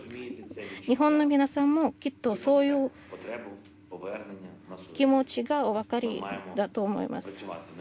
日本の皆さんもきっと、そういう気持ちがお分かりだと思います。